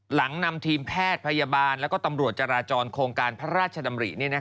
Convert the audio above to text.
หลังนำทีมแพทย์พยาบาลและตำรวจจราจรโครงการพระราชดำริ